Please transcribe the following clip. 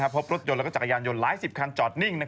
พบรถยนต์และจักรยานยนต์หลายสิบคันจอดนิ่ง